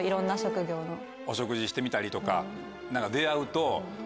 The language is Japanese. お食事してみたりとか出会うと。